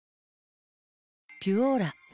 「ピュオーラ」